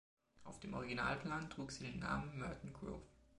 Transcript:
Auf dem Originalplan trug sie den Namen „Merton Grove“.